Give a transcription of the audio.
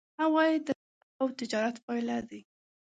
عواید د کار او تجارت پایله دي.